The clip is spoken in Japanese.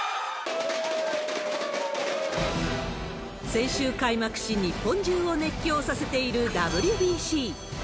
先週開幕し、日本中を熱狂させているＷＢＣ。